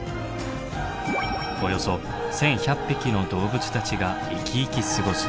およそ１，１００匹の動物たちがイキイキ過ごす。